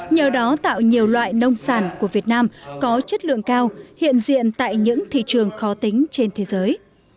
nhờ đó tạo nhiều loại nông sản của việt nam có chất lượng cao hiện diện tại những thị trường khó tính trên thế giới